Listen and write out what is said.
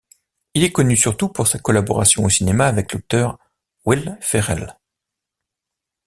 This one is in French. Il est connu surtout pour sa collaboration au cinéma avec l'acteur Will Ferrell.